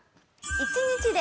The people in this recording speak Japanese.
１日で！？